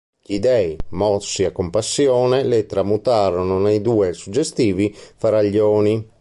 Gli Dei, mossi a compassione, le tramutarono nei due suggestivi faraglioni.